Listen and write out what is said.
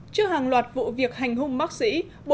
trước hàng loạt vụ việc hành hung bác sĩ